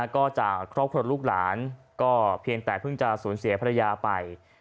ก็จากครอบครัวลูกหลานก็เพียงแต่เพิ่งจะสูญเสียภรรยาไป